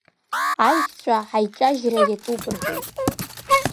Аешьцәа ҳаиҿажьра иаҿуп, – рҳәеит.